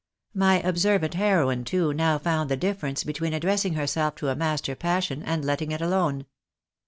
My observant heroine, too, now found the difference between addressing herself to a master passion and letting it alone.